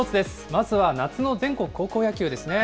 まずは夏の全国高校野球ですね。